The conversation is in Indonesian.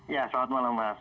ya selamat malam mas